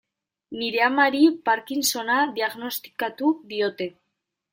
Nire amari Parkinsona diagnostikatu diote.